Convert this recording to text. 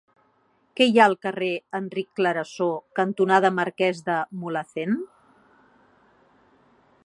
Què hi ha al carrer Enric Clarasó cantonada Marquès de Mulhacén?